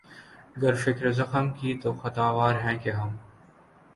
گر فکرِ زخم کی تو خطاوار ہیں کہ ہم